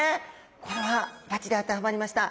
これはばっちり当てはまりました。